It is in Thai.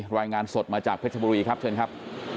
รายงานสดมาจากเพชรบุรีครับ